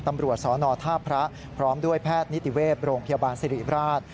ตำรวจสนท่าพระพร้อมด้วยแพทย์นิติเวศโรงพยาบาลสิริราช